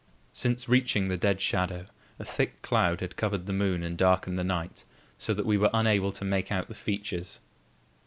Since reaching the dead shadow, a thick cloud had covered the moon and darkened the night, so that we were unable to make out the features.